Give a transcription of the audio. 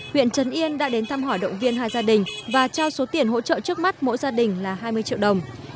huyện trần yên đã đến thăm hỏi động viên hai gia đình và trao số tiền hỗ trợ trước mắt mỗi gia đình là hai mươi triệu đồng